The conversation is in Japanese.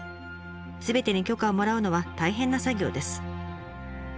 すべてに許可をもらうのは大変な作業です。